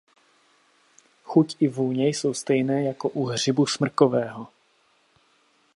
Chuť i vůně jsou stejné jako u hřibu smrkového.